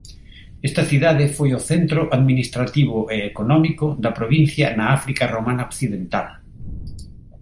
Esta cidade foi o centro administrativo e económico da provincia na África romana occidental.